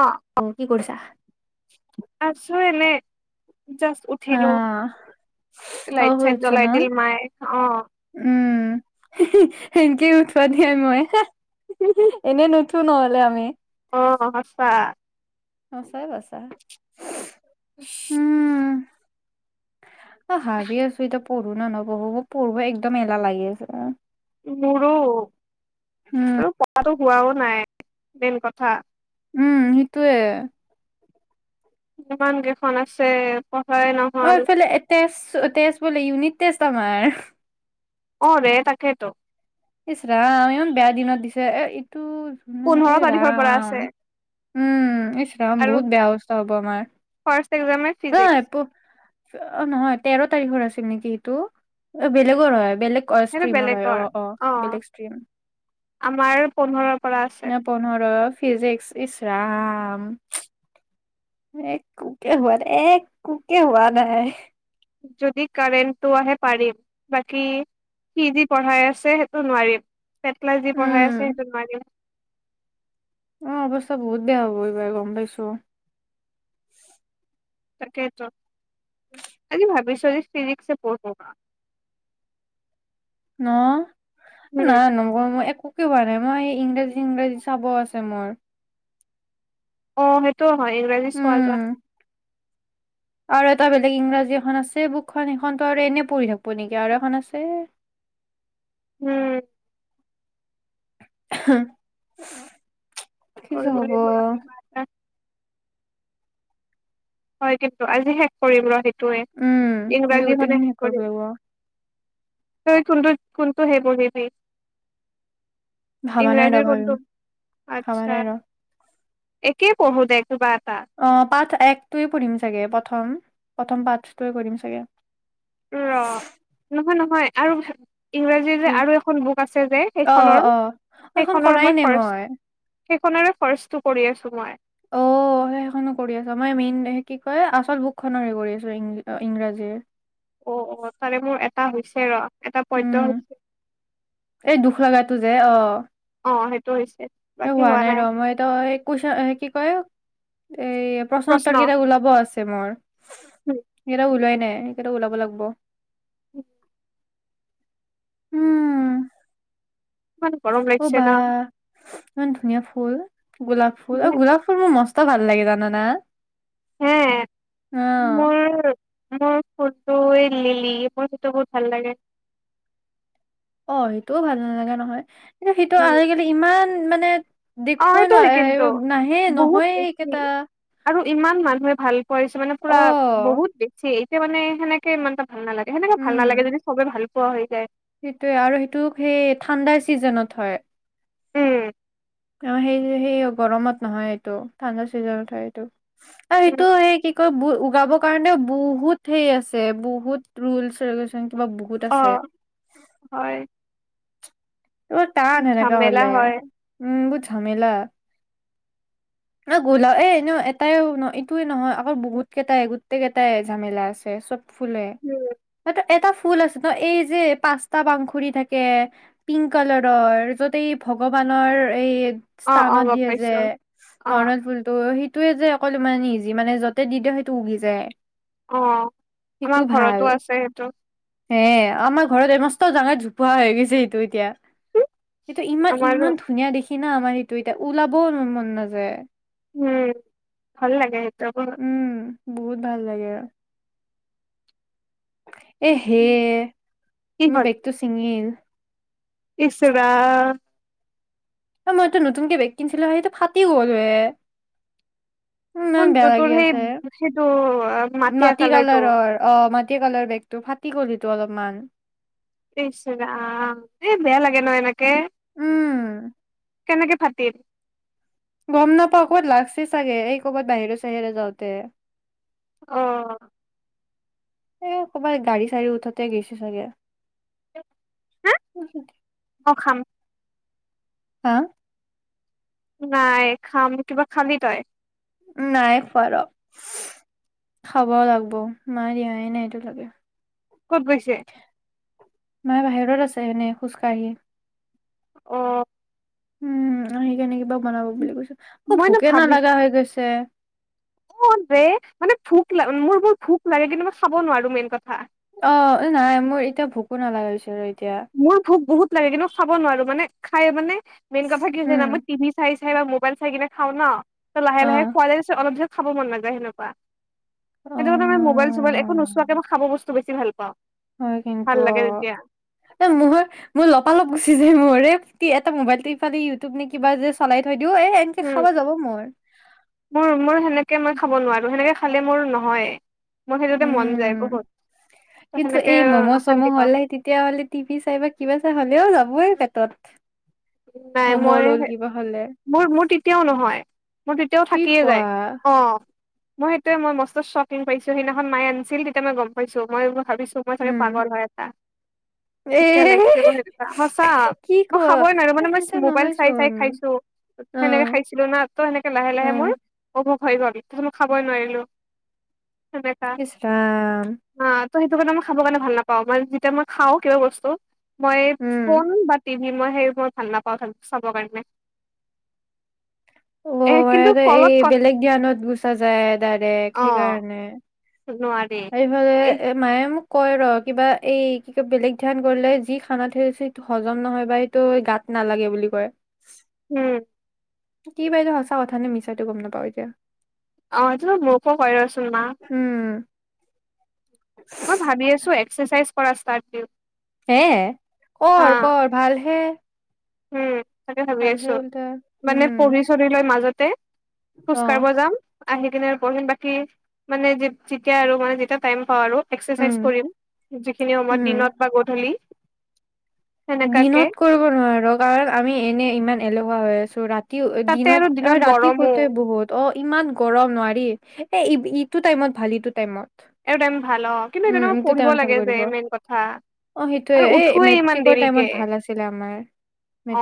অ কি কৰিছা? আছো এনেই জাষ্ট হা উঠিলো অ লাইট শুই চাইট উঠছা ন জ্বলাই দিল মায়ে অ সেনেকেই উঠোৱা দে মই হ এনেই নহলে আমি অ সঁচা অ চাই বছা উ অ [inaudible] অ ভাবি আছো পঢ়ো নে নপঢ়ো মোক পঢ়িব একদম এলাহ লাগি আছে মোৰো উম আৰু পঢ়াটো হোৱাও নাই মেন কথা উম সেইটোৱে ইমান কেইখন আছে পঢ়াই অ নহল এইফালে [unintelligible] আছো এটা ইউনি টেষ্ট তোমাৰ অ দে তাকেটো ইছৰাম ইমান বেয়া দিনত দিছে ই পোন্ধৰ এ তাৰিখৰ পৰা ৰাম আছে উম এ ৰাম আৰু বহুত বেয়া অৱস্থা হ'ব আমাৰ ফাৰ্ষ্ট এক্জামে হ ফিজিক্স প অ নহয় তেৰ কোন তাৰিখৰ আছিল নেকি এইটো বেলেগৰ হয় বেলেগৰ অ সেইটো ষ্ট্ৰিমৰ হয় অ বেলেগৰ অ অ বেলেগ ষ্ট্ৰীম আমাৰ পোন্ধৰৰ পৰা আছে ন পোন্ধৰ ফিজিক্স ইচৰাম এক কোকে হোৱা নাই এক কোকেহোৱা নাই যদি কাৰেণ্টটো আহে পাৰিম বাকী সি যি পঢ়াই আছে সেইটো নোৱাৰিম পেটলা যি উম পঢ়াই আছে সেই ত মাৰ অ অৱস্থা বহুত বেয়া হব এইবাৰ গম পাইছো তাকেতো আজি ভাবিছো চল্লিশ তিশচে [inaudible] ন নাই নম্বৰ মই এক একোকে হোৱা নাই মই ইংৰাজী সিংৰাজী চাব আছে মোৰ অ সেইটো হয় ইংৰাজী চোৱা যোৱা উম আৰু এটা বেলেগ ইংৰাজী এখন আছে বুকখন সেইখনতো আৰু এনে পঢ়ি থাকিব নেকি আৰু এখন আছে উম হা [unintelligible] [inaudible] হয় কিন্তু আজি শেষ কৰিম ৰ সেইটো উম আজি গোটেই খিনি শেষ কৰিব লাগিব তই কোনটো হে পঢ়িবি ভাবা নাই ইংৰাজীৰ ৰ কোনটো? ভাবিম ভাবা আচ্ছা নাই ৰ একেই পঢ়ো দে [inaudible] অ [unintelligible] একটোৱে পঢ়িম চাগে প্ৰথম প্ৰথম পাঠটোৱে কৰিম চাগে ৰ। নহয় নহয় আৰু ইংৰাজীৰ যে কি আৰু এখন বুক আছে যে। অ অ অ অ, সেইখন সেইখনৰ-সেইখনৰ কৰাই মই নাই ফাষ্ট, সেইখনৰে ফাষ্টটো কৰি আছো মই। অ সেইখনো কৰি আছো। মই মেইন কি কয় আচল বুকখনৰহে কৰি আছো অ ইংৰাজীৰ। অ, তাৰে মোৰ এটা হৈছে ৰ। এটা পদ্য উম, হৈছে। এই দুখ লগা তু যে অ। অ সেইটো হৈছে। হোৱা নাই ৰ। মই তো এ কুইছো কি কয় এই প্ৰশ্নোত্তৰ প্ৰশ্ন। কেইটাক ওলাব আছে। ছেমৰ ছেম উম, সেকেইটাও ওলোৱাই নাই সেইকেইটাও ওলাব' লাগব। [unintelligible] উম ইমান গৰম অ লাগছে বা ন। ইমান ধুনীয়া ফুল। গোলাপ ফুল আৰু গোলাপ ফুল মোৰ মস্ত ভাল লাগি জানা না ত হে, মোৰ মোৰ ফোনটো এ লিলি, মোৰ সেইটো বহুত ভাল লাগে। অ সেইটোও ভাল নালাগা নহয়। কি সেইটো উম, আজিকালি ইমান মান [unintelligible] অ দেখবৈ সেইটো হয় কিন্তু নোৱাৰ, নাহে বহুত নহয় এ বেছি সেইকেইটা। আৰু ইমান মানুহে ভাল কৰিছে মানে পুৰা অ', বহুত বেছি এই এয়া মানে সেনেকে মান ভাল নালাগে সেনেকে ভাল নালাগে উম যদি চবে ভাল পুৱা হৈ যায়। সেইটোয়ে আৰু সেইটো সেই ঠাণ্ডাৰ চিজনত হয়। উম অ সেই সেই গৰমত নহয় এইটো, ঠাণ্ডা চিজনত হয় এইটো। আৰু উম, সেইটো সেই কি কয় [unintelligible] লগাবৰ কাৰণে বহুত হেই আছে বহুত ৰুলচ, ৰেগুলেশচন কিবা বহুত অ, আছে হয়। এইবাৰ টান এনেকা ঝামেলা হলে, হয় উম বহুত ঝামেলা। ন গলাও এ এনেও এটাইও এইটোয়ে নহয় আকৌ বহুত কেইটাই গোটেই কেইটাই ঝামেলা আছে চব ফুলে উম, স এটা ফুল আছে ন এই যে পচ্তটা পাংখুৰি থাকে। পিংক কালাৰৰ য'তে এই ভগৱানৰ এই অ অ স্থানত গম দিয়ে যে পাইছো অ নৰ্মেল ফুলতটো সেই তে যে অকল ইমান ইজি মানে যতে দি দি সেইটো উগি যায়। অ', সেইটো আমাৰ ভাল ঘৰতো আছে সেইটো। হে আমাৰ ঘৰত এইমাষ্ট ডাঙাৰ জোপুা হৈ গৈছে সেইটো। কিয়া? সেইটো ইমান আমাৰো ইমান ধুনীয়া দেখি সিনা আমাৰ সেইটো এতিয়া ওলাবও ন মন নাযায়। উম ভাল লাগে সেইটো ব উম বহুত ভাল লাগে। এ হে মোৰ বেগতটো চিঙিল। ইচৰা মইতটো নতুনকে বেগ কিনিছিলো সেইটো ফাটি গ'ল হে। ইমান বেয়া কোনটো লাগি তোৰ সেই আছে সেইটো মাটিয় মাটি কালাৰটো? কালাৰৰ অ মাটি কালাৰ বেগটো ফাটি গ'ল সেইটো অলপমান। ইছ ৰাম, এই বেয়া লাগে ন এনকে। উম। কেনেকে ফাটিল? গম নাপাও ক'ত লাগছে চাগে, এই কৰ'বাত বাহিৰ চাহিৰে যাওঁতে। অ'। এ ক'ৰবাত গাড়ী চাড়ী উঠাতে গৈছে চাগে। হা [unintelligible] অ খাম হা? নাই খাম। কিবা খালি তাই? নাই খোৱা ৰ। খোৱাৰ খাব লাগিব মা দিয়াই নাই এইটো লাগে। কত গৈছে? মায় বাহিৰত আছে এনে খোজ কাঢ়ি। অ'। উম সেইকাৰনে কিবা বনাব বুলি কৈছো। অ মই ভোকে নালা হৈ গৈছে। অ' যে মানে ভোক ল মোৰ বু ভোক লাগে কিন্তু মই খাব নোৱাৰো মেইন কথা। অ' নাই মোৰ এতিয়া ভোকো নালাগা হৈছে এতিয়া মোৰ ভোক বহুত লাগে কিন্তু খাব নোৱাৰো মানে খায় মানে মেইন কথা কি হৈছে জানো উম মই টিভি আছে চাইজ সেইবা মোবাইল চাই কিনে খাওঁ ন। ত লাহে অ লাহে খোৱা যায়ছে অলপ পিছত খাব মন নাযায় সেনকুৱা। অ সেইটো কাৰনে মানে মোবাইল চোবাইল একো নোচোৱাকে মই খাব বস্তু টো বেছি ভাল পাওঁ। হয় কিন্তু। ভাল লাগে তেতিয়া এ মৰ মোৰ লপালপ গুচি যায় মোৰ এই এটা মোবাইলটো ইফালে ইউটিউব নে কিবা যে চলাই থৈ দিও এ এনকে উম খাবা যাব মোৰ মোৰ মোৰ সেনেকে মই খাব নোৱাৰো সেনেকে খালে মোৰ নহয়। উম কিন্তু সেনেকে এই ম'ম' চম' অশান্তি পাওঁ হ'লে তেতিয়া হলে টিভি চাই বা কিবা চাই হ'লেও যাবইে পেট তত। নাই মই মোৰ মোৰ তেতিয়াও নহয়, মোৰ তেতিয়াও কি থাকিয়ে কোৱা যায় অঁ। মই সেইটোৱে মই মস্ত শ্বকিং পাইছো সেইনাখন মাই আনিছিল তেতিয়া মই গম পাইছো মই ভাবিছো মই চাগে উম পাগল হয় এটা, এ তেতিয়া লাগিছে ক সেনকা সঁচা কি ক মই খা ই নাজা এ মানে মই সেনেকা মোবাইল চাই চাই নহয়চোন খাইছো অ সেনেকে খাইছিলো না তো সেনেকে লাহে অ লাহে মোৰ অভ্ক হৈ গ'ল তথ মো খাবই নোৱাৰিলো সেনেকা ইচ ৰাম হা ত' সেইটো কাৰণে মই খাব কাৰণে ভাল নাপাওঁ মানে যেতিয়া মই খাওঁ কিবা বস্তু মই উম, ফোন বাতিম মই সেই মই ভাল নাপাও চাব কাৰণে অ এ ম কিন্তু এই কলত ক বেলেগ জ্ঞানত গুচা যায় ডাইৰেক অ সেইকাৰণে [unintelligible] এইফালে এ মায়ে মোক কয় ৰ কিবা এই কি ক বেলেগ ধ্যান কৰিলে যি খানাত থৈ আছে সেইটো হজম নহয় বা সেইটো গাত নালাগে বুলি কয় উম কি বাইদেউ সঁচা কথা নে মিছাইতো গম নাপাও এতিয়া অটো মোকোকো ক ৰচোন মা উম, মই ভাবি আছো এক্সাৰচাইজ পৰা ষ্টাৰ্ট দিওঁ হে হা কৰ কৰ ভাল হে উম। তাকে ভাবি আছোঁ, উল্টা মানে উম, পঢ়ি চহী লৈ মাজত তে খোজ কাঢ়িব অ', যাম আহি কিনে আৰু পঢ়িম বাকি মানে যেতিয়া আৰু মানে যেতিয়া টাইম পাওঁ আৰু এক্সাৰচাইজ উম, কৰিম যিখিনি সময়ত উম। দিনত বা গধূলি সেনেকাকে দিনত কৰিব নোৱাৰো কাৰণ আমি এনে ইমান এলেহুৱা হৈ আছো ৰাতি। তাতে আৰু দিনত অ ৰাতি গৰমো বহুত অ। ইমান গৰম নোৱাৰি এই ইটো টাইমত ভাল টাইমত আৰু তাৰ ভাল অ কিন্তু উম তেনেকোৱা এইটো পঢ়িব টাইমত ভাল লাগে যে কৰিব মেইন কথা অ সেইটোয়ে আৰু এই উঠোৱেই ইমান মেট্ৰিকৰ টাইমত দেৰিকে ভাল আছিলে আমাৰ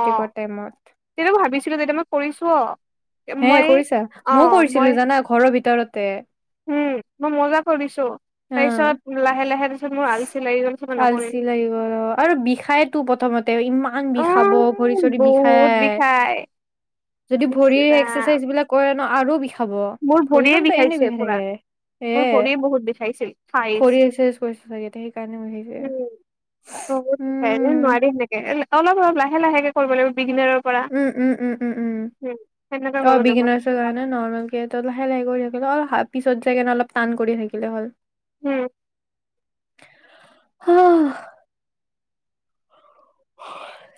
অ টাইমত তেতিয়া ভাবিছিলো যেতিয়া মই কৰিছো অ এ মই কৰিছা মই কৰিছিলো জানা ঘৰৰ ভিতৰত তে উম মই মজা কৰিছো অ তাৰ পিছত লাহে লাহে তাৰপিছত মোৰ আলচি লাগি গল তাৰপিছত মই আলচি নকৰিলো লাগি গল আৰু বিষাইতো প্ৰথমতে ইমান অ বিষাব ভৰি চৰি বিষাই যদি ইচ ভৰি ৰাম এক্সাৰচাইজ বিলাক কৰে ন আৰু খাব মোৰ ভৰি ভৰিয়ে খন এনে বিষাইছে বিষাই পুৰা থাকে এ মোৰ ভৰিয়ে বহুত বিষাইছিল ঠাইচ ভৰি একাৰচাইজ কৰিছ চাগে সেইকাৰণে হেৰী হয় হে নোৱাৰি হেনেকে অলপ অলপ লাহে লাহেকে কৰিব লাগ উম উম উম উম উম সেনেকে অ কৰিব লাগিব বিগিনাৰ ন গ না নৰমেল ঠিকে লাহে লাহে কৰি থাকিলে অল পিছত যাই কেনে অলপ টান কৰি থাকিলে হল উও আহ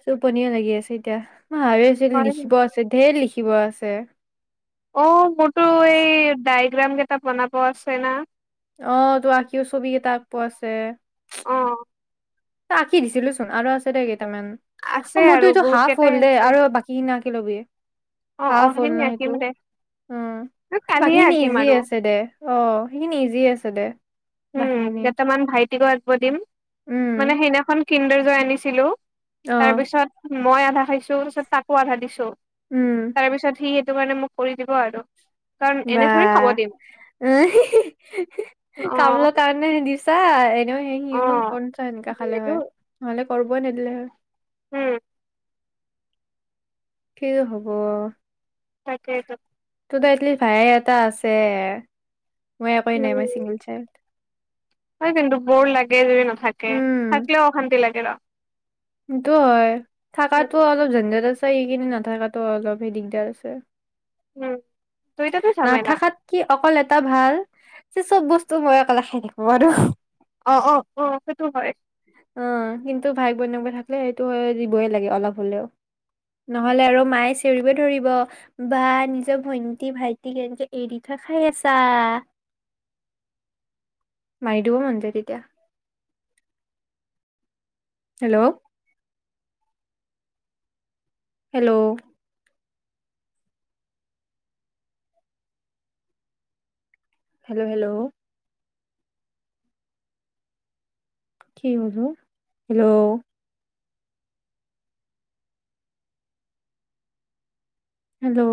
টোপনীয়া লাগি আছে এতিয়া। ভাবি আছিল হয় লিখিব কিন্তু। আছে ধেৰ লিখি। কিবা আছে অ মোৰতো এই ডাইগ্ৰাম কেইটা বনাব আছে না অ তো আঁকিও ছবি এটা আঁব পোৱা আছে অহ ত আঁকি দিছিলো চোন আৰু আছে দেই আছে অ মোৰতো আৰু এইটো বহুত হাফ কেইটাই হ'ল দেই আছে আৰু বাকি খিন আকি শিকি লবি। অ অ হাফ হ'ল সেইখিনি ন আঁকিম সেইটো দে। উম কালিয়ে বাকীখিনি আঁকিম ইজি আৰু আছে দে অ সেইখিনি ইজি আছে দে উ বাকীখিনি বটমান ভাইট দিনত আগব দিম মানে উম সেইদিনা খন কিণ্ডাজয় আনিছিলো। অ তাৰপিছত মই আধা খাইছো তোৰ পিছত তাকো আধা দিছো উম তাৰপিছত সি, সেইটো কাৰনে মোক কৰি দিব আৰু, - বা', উম্ - হী- হী- হী অ', কামলৰ কাৰণেহে দিম। পিছে আ, - এনেও সেই অ', সিওনো কনচা সেনেকা খালে এইটো হয়? নহ'লে, কৰিবই নিদিলে হয়। উম', কি হ'ব? তাকেইটো। তোৰ ত', এটলি ভায়ে এটা আছে। মই একুই নাই, মই উম, চিংগল চাইল্ড। হয়, কিন্তু বৰ লাগে যদি নাথাকে, উম থাকিলেও অশান্তি লাগে ৰ', - সেইটো হয়। উম, থাকাতো অলপ জনযেট আছে। তই এইকেইদিন নাথাকাতো অলপহে দিগদাৰ আছে। উম, দুইটাতে ঝামেলা নাথাকাত কি অকল এ', এটা ভাল যে চব বস্তু মই অকলে খাই থাকো আৰু। অ', - অ ', - অ', সেইটো হয়। অ ', কিন্তু ভাই- বইনাক বোৰ থাকিলে সেইটো হয় দিবই লাগে অলপ হলেও, ন'হলে আৰু মায়ে চিঞৰিব ধৰিব। বা নিজৰ ভন্টি- -ভাইটিক এনকে এৰি দি থৈ খাই আছা মাৰি দিব মন যায় তেতিয়া, হেল্ল', হেল্ল', হেল্ল', - হেল্ল', কি হ'ল অহ ', হেল্ল', - হেল্ল',